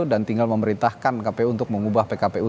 dan tinggal memberitahkan kpu untuk mengubah pkpu